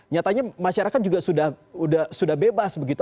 nyatanya masyarakat juga sudah bebas begitu